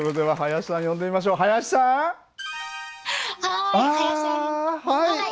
はい。